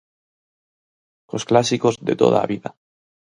Cos clásicos de toda a vida.